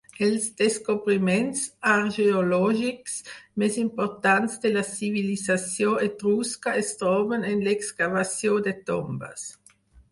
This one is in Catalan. Els descobriments arqueològics més importants de la civilització etrusca es troben en l'excavació de tombes.